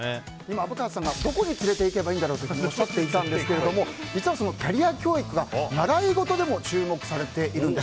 虻川さんがどこに連れていけばいいんだろうとおっしゃっていたんですけど実は、キャリア教育が習い事でも注目されているんです。